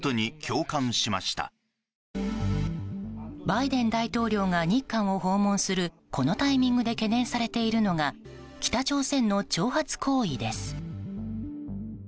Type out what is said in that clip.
バイデン大統領が日韓を訪問するこのタイミングで懸念されているのが北朝鮮の挑発行為です。